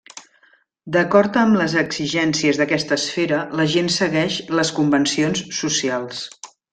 D'acord amb les exigències d'aquesta esfera la gent segueix les convencions socials.